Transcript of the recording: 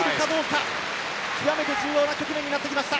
極めて重要な局面になってきました。